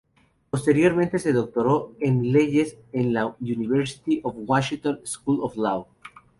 Posteriormente se doctoró en leyes en la University of Washington School of Law.